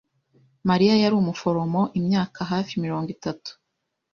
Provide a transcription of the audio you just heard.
Mariya yari umuforomo imyaka hafi mirongo itatu.